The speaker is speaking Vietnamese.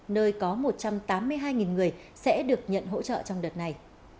nơi có một trăm tám mươi hai người sẽ được nhận hỗ trợ trong đợt này